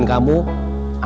anak buahnya mukulnya